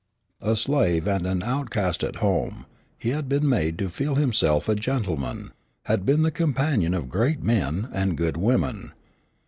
A slave and an outcast at home, he had been made to feel himself a gentleman, had been the companion of great men and good women.